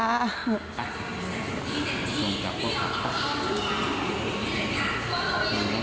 หนูจับก็จับ